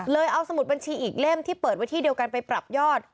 เอาสมุดบัญชีอีกเล่มที่เปิดไว้ที่เดียวกันไปปรับยอด